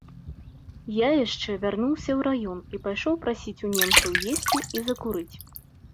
Я яшчэ вярнуўся ў раён і пайшоў прасіць у немцаў есці і закурыць.